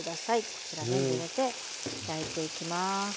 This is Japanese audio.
こちら全部入れて焼いていきます。